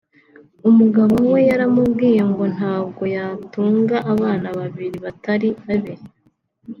umugabo we yaramubwiye ngo ntabwo yatunga abana babiri batari abe